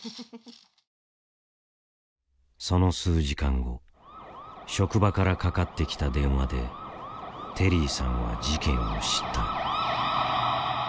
その数時間後職場からかかってきた電話でテリーさんは事件を知った。